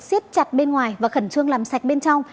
xiết chặt bên ngoài và khẩn trương làm sạch bên trong